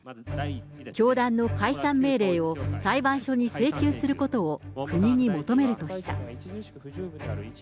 教団の解散命令を裁判所に請求することを国に求めるとした。